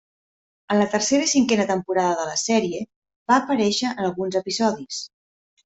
En la tercera i cinquena temporada de la sèrie, va aparèixer en alguns episodis.